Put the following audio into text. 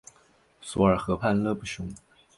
索尔河畔勒布雄。